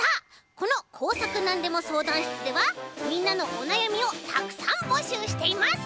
この「こうさくなんでもそうだんしつ」ではみんなのおなやみをたくさんぼしゅうしています！